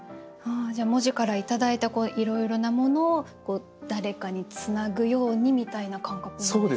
じゃあ文字からいただいたいろいろなものを誰かにつなぐようにみたいな感覚なんですか？